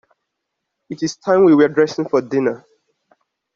It is time we were dressing for dinner.